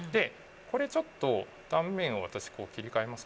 ちょっと断面を切り替えます。